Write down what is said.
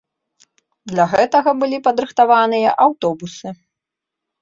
Для гэтага былі падрыхтаваныя аўтобусы.